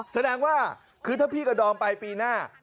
แสดงว่าคือถ้าพี่กับดอมไปปีหน้า